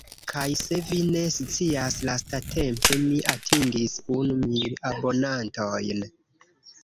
Kaj se vi ne scias lastatempe mi atingis unu mil abonantojn.